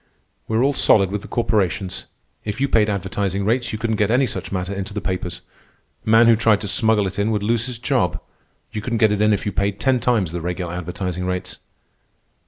"We're all solid with the corporations," he answered. "If you paid advertising rates, you couldn't get any such matter into the papers. A man who tried to smuggle it in would lose his job. You couldn't get it in if you paid ten times the regular advertising rates."